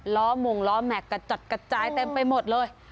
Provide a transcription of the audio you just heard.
ล้อมงล้อแหมกดจดกัดจายเต็มไปหมดเลย